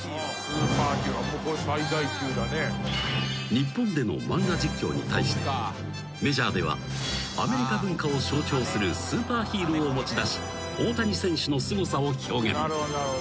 ［日本での漫画実況に対してメジャーではアメリカ文化を象徴するスーパーヒーローを持ち出し大谷選手のすごさを表現］